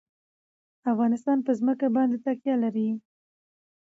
افغانستان په ځمکه باندې تکیه لري.